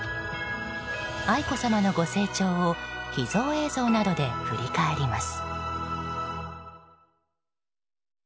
愛子さまのご成長を秘蔵映像などで振り返ります。